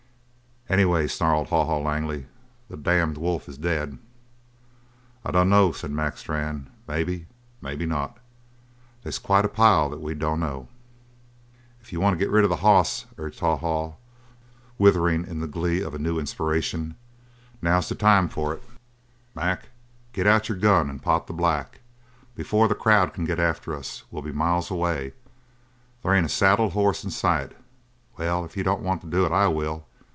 "Anyway," snarled Haw Haw Langley, "the damned wolf is dead." "I dunno," said Mac Strann. "Maybe maybe not. They's quite a pile that we dunno." "If you want to get rid of the hoss," urged Haw Haw, writhing in the glee of a new inspiration, "now's the time for it, Mac. Get out your gun and pot the black. Before the crowd can get after us, we'll be miles away. They ain't a saddled hoss in sight. Well, if you don't want to do it, I will!"